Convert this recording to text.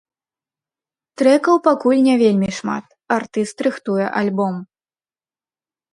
Трэкаў пакуль не вельмі шмат, артыст рыхтуе альбом.